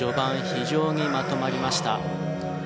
非常にまとまりました。